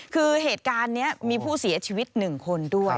คือเหตุการณ์นี้มีผู้เสียชีวิต๑คนด้วย